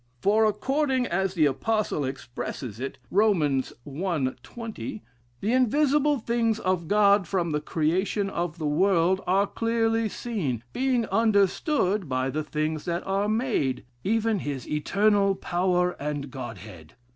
For according as the apostle expresses it, Rom. i., 20, the invisible things of God from the creation of the world are clearly seen, being understood by the things that are made, even his eternal power and Godhead.